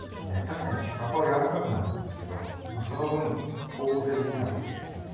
確かに葉っぱはやわらかくなるんですけどその分光合成できなくてですね